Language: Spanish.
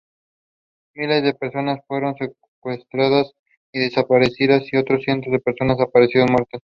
Miles de personas fueron secuestradas y desaparecidas y, otro cientos de personas aparecieron muertas.